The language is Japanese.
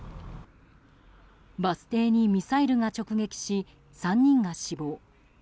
バス停にミサイルが直撃し３人が死亡。